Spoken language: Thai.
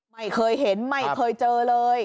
ไม่เคยเห็นไม่เคยเจอเลย